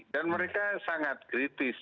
dan mereka sangat kritis